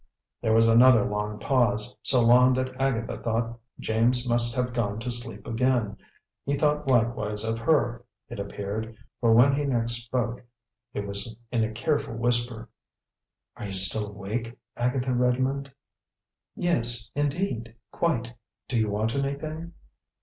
There was another long pause, so long that Agatha thought James must have gone to sleep again. He thought likewise of her, it appeared; for when he next spoke it was in a careful whisper: "Are you still awake, Agatha Redmond?" "Yes, indeed; quite. Do you want anything?"